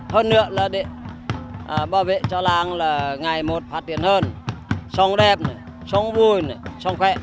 hơn nữa là để bảo vệ cho làng là ngày một phát triển hơn song đẹp song vui song khỏe